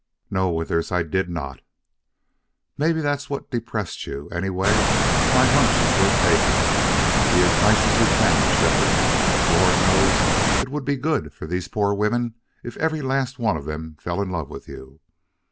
"No, Withers, I did not." "Maybe that's what depressed you. Anyway, my hunch is worth taking. Be as nice as you can, Shefford. Lord knows it would be good for these poor women if every last one of them fell in love with you.